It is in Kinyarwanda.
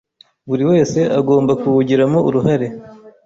Buri wese agomba kuwugiramo uruhare;